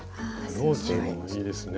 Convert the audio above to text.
ブローチもいいですね。